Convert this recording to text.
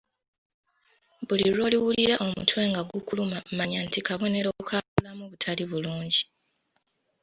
Buli lw'oliwulira omutwe nga gukuluma manya nti kabonero ka bulamu butali bulungi.